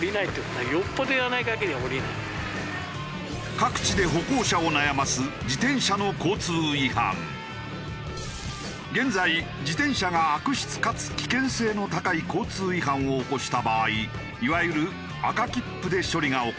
各地で現在自転車が悪質かつ危険性の高い交通違反を起こした場合いわゆる赤切符で処理が行われている。